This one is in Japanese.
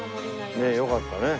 ねえよかったね。